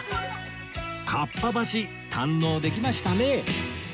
かっぱ橋堪能できましたね